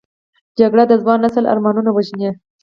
جګړه د ځوان نسل ارمانونه وژني